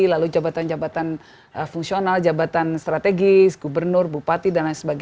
lalu jabatan jabatan fungsional jabatan strategis gubernur bupati dsb